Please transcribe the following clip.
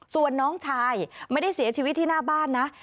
ส่วนน้องชายไม่ได้เสียชีวิตที่หน้าบ้านนะ